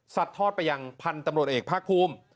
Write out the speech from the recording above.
ทอดไปยังพันธุ์ตำรวจเอกภาคภูมิ